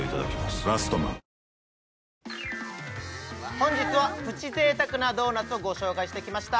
本日はプチ贅沢なドーナツをご紹介してきました